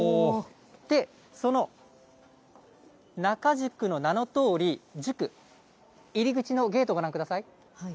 その仲宿の名のとおり、宿、入り口のゲート、ご覧ください。